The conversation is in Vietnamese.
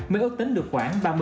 mới ước tính được tăng lên